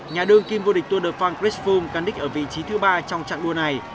nhà đơn kim vua địch tour de france crispo cán đích ở vị trí thứ ba trong trạng đua này